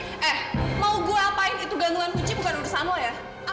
eh mau gue apain itu gantungan kunci bukan urusan lo ya